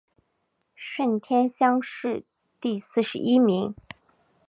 顺天乡试第四十一名。